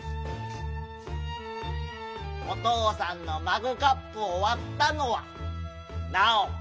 お父さんのマグカップをわったのはナオコ！